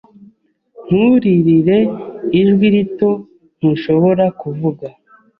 nturirire ijwi rito ntushobora kuvuga